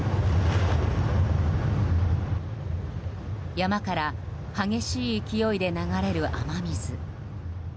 山から激しい勢いで流れる雨水。